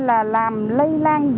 là làm lây lan dịch bệnh